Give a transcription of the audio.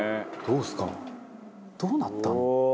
「どうなったの？」